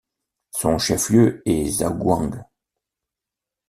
Son chef-lieu est Zaghouan.